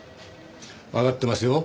わかってますよ。